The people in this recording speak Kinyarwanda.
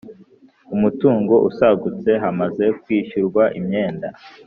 Umutungo usagutse hamaze kwishyurwa imyenda